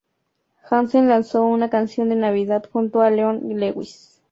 Hansen lanzó una canción de Navidad junto a Leona Lewis.